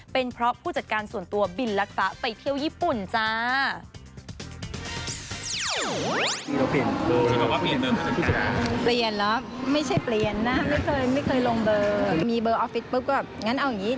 เป็นเพราะผู้จัดการส่วนตัวบิลลักษณะ